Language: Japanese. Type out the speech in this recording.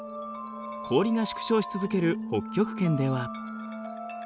氷が縮小し続ける北極圏では。